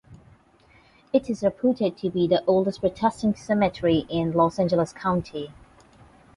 It is reputed to be the oldest Protestant cemetery in Los Angeles County.